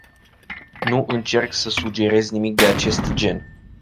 Nu încerc să sugerez nimic de acest gen.